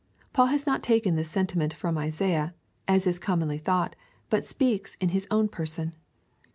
Paul has not taken this sentiment from Isaiah, as is commonly thought, but speaks in his own person.